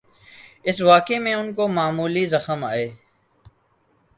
اس واقعے میں ان کو معمولی زخم آئے۔